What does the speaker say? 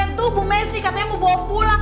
tuh bu messi katanya mau bawa pulang